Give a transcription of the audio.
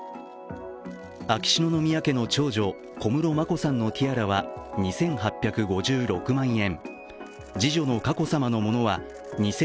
秋篠宮家の長女・小室眞子さんのティアラは２８５６万円。